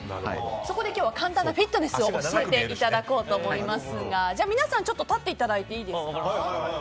そこで今日は簡単なフィットネスを教えていただこうと思いますが皆さん立っていただいて。